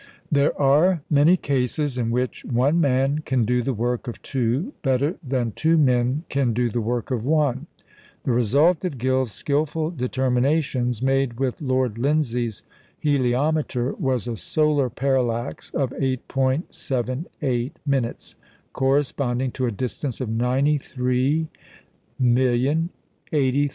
There are many cases in which one man can do the work of two better than two men can do the work of one. The result of Gill's skilful determinations (made with Lord Lindsay's heliometer) was a solar parallax of 8·78", corresponding to a distance of 93,080,000 miles.